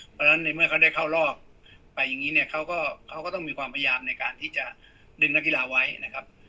เพราะฉะนั้นในเมื่อเขาได้เข้ารอบไปอย่างนี้เนี่ยเขาก็เขาก็ต้องมีความพยายามในการที่จะดึงนักกีฬาไว้นะครับ